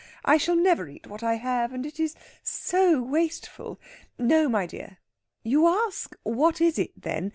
I shall never eat what I have, and it is so wasteful!... No, my dear. You ask, 'What is it, then?'